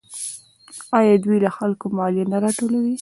آیا دوی له خلکو مالیه نه راټولوي؟